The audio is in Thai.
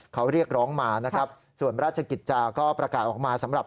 เขาเรียกร้องมานะครับส่วนราชกิจจาก็ประกาศออกมาสำหรับ